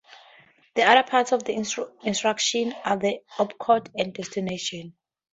The other parts of the instruction are the opcode, and destination.